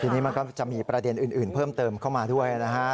ทีนี้มันก็จะมีประเด็นอื่นเพิ่มเติมเข้ามาด้วยนะฮะ